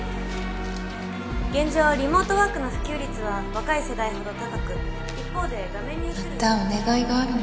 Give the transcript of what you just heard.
現状はリモートワークの普及率は若い世代ほど高く一方で画面に映る。